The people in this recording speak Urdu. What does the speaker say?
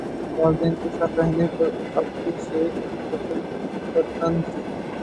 والدین کے ساتھ رہنے پر ابھیشیک بچن پر طنز